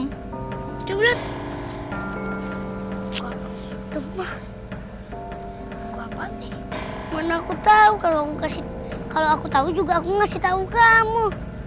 hai jodoh hai cepat apa nih mana aku tahu kalau kasih kalau aku tahu juga aku ngasih tahu kamu